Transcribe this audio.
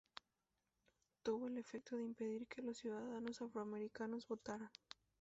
Tuvo el efecto de impedir que los ciudadanos afroamericanos votaran.